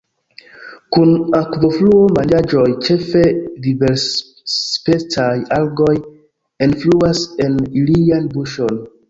Kun akvofluo manĝaĵoj, ĉefe diversspecaj algoj, enfluas en ilian buŝon.